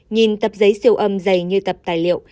nhìn tập giấy siêu âm dày như tập tài liệu